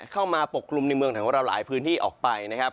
เข้ามาปกคลุมในเมืองถึงว่าเราหลายพื้นที่ออกไปนะครับ